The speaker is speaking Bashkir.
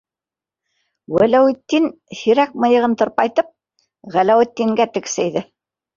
- Вәләүетдин, һирәк мыйығын тырпайтып, Ғәләүетдингә тексәйҙе.